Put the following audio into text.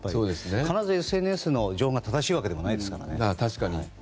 必ずしも、ＳＮＳの情報が正しいわけではないですからね。